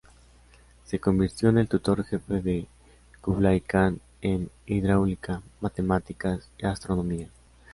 Se convirtió en el tutor jefe de Kublai Kan en hidráulica, matemáticas y astronomía.